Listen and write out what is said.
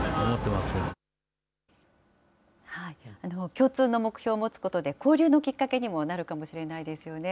共通の目標を持つことで交流のきっかけにもなるかもしれないですよね。